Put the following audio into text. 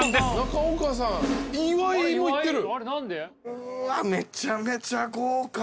うわっめちゃめちゃ豪華。